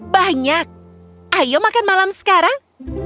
banyak ayo makan malam sekarang